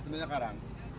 itu kan karang